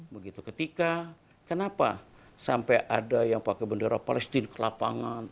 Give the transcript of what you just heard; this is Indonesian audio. begitu ketika kenapa sampai ada yang pakai bendera palestine ke lapangan